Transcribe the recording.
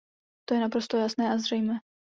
To je naprosto jasné a zřejmé.